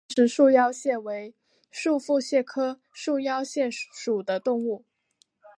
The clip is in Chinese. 重石束腰蟹为束腹蟹科束腰蟹属的动物。